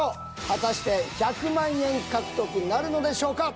果たして１００万円獲得なるのでしょうか！